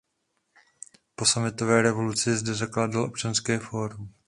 Po sametové revoluci zde zakládal Občanské fórum.